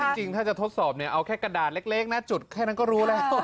จริงถ้าจะทดสอบเนี่ยเอาแค่กระดาษเล็กนะจุดแค่นั้นก็รู้แล้ว